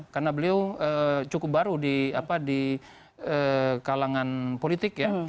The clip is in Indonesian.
karena beliau cukup baru di kalangan politik ya